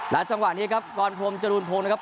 จังหวะนี้ครับกรพรมจรูนพงศ์นะครับ